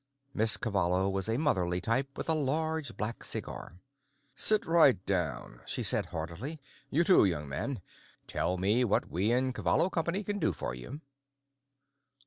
Miss Cavallo was a motherly type with a large black cigar. "Sit right down," she said heartily. "You, too, young man. Tell me what we in Cavallo Company can do for you."